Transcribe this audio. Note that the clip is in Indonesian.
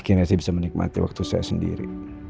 kini saya bisa menikmati waktu saya sendiri